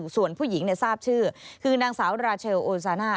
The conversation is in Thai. ส่วนผู้หญิงทราบชื่อคือนางสาวราเชลโอซาน่า